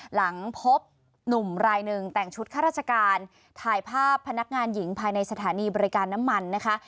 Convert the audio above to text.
หลังพบหนุ่มรายหนึ่งแต่งชุดข้าราชการถ่ายภาพพนักงานหญิงภายในสถานีบริการน้ำมันนะคะ